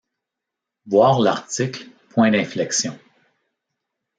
Voir l'article point d'inflexion.